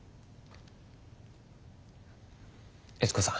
悦子さん。